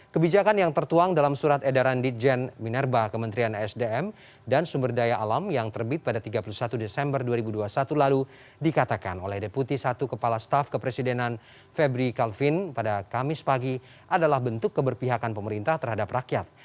kebijakan yang tertuang dalam surat edaran ditjen minerba kementerian sdm dan sumber daya alam yang terbit pada tiga puluh satu desember dua ribu dua puluh satu lalu dikatakan oleh deputi satu kepala staff kepresidenan febri kalvin pada kamis pagi adalah bentuk keberpihakan pemerintah terhadap rakyat